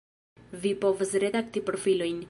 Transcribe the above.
Vi povas redakti profilojn